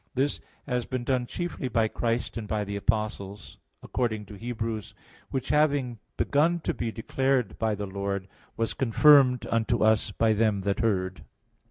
This has been done chiefly by Christ and by the apostles, according to Heb. 2:3, "which having begun to be declared by the Lord, was confirmed unto us by them that heard."